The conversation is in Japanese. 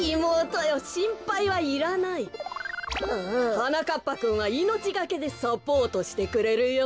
はなかっぱくんはいのちがけでサポートしてくれるよ。